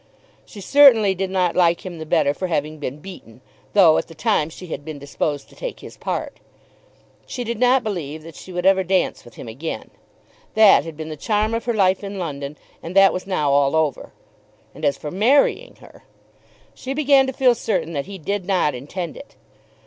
She certainly did not like him the better for having been beaten, though, at the time, she had been disposed to take his part. She did not believe that she would ever dance with him again. That had been the charm of her life in London, and that was now all over. And as for marrying her, she began to feel certain that he did not intend it.